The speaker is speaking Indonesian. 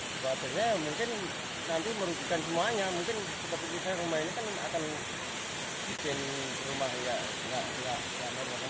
sebenarnya mungkin nanti merugikan semuanya mungkin sebab itu rumah ini kan akan bikin rumah yang tidak terlalu berkembang